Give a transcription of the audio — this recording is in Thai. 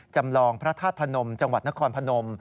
จำลองพระธาตุพนมจังหวัดนครพนม